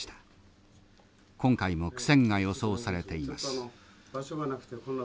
今回も苦戦が予想されています。